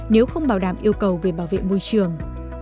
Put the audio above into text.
nếu không bảo đảm yêu cầu về bảo vệ môi trường